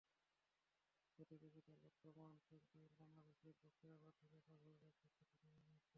প্রতিযোগিতার বর্তমান চ্যাম্পিয়ন বাংলাদেশের পক্ষে এবার শিরোপা ধরে রাখা কঠিনই মনে হচ্ছে।